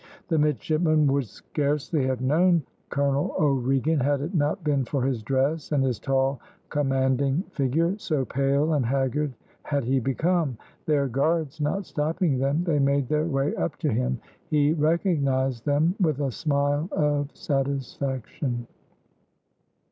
The midshipmen would scarcely have known Colonel O'Regan had it not been for his dress and his tall, commanding figure, so pale and haggard had he become; their guards not stopping them, they made their way up to him. He recognised them with a smile of satisfaction.